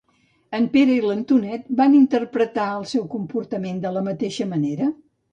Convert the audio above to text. En Pere i l'Antonet van interpretar el seu comportament de la mateixa manera?